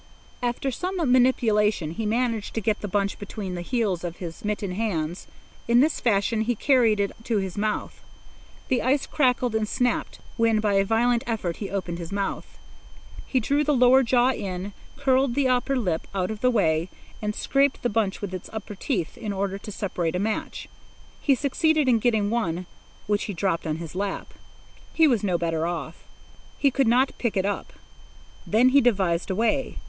After some manipulation he managed to get the bunch between the heels of his mittened hands. In this fashion he carried it to his mouth. The ice crackled and snapped when by a violent effort he opened his mouth. He drew the lower jaw in, curled the upper lip out of the way, and scraped the bunch with his upper teeth in order to separate a match. He succeeded in getting one, which he dropped on his lap. He was no better off. He could not pick it up. Then he devised a way.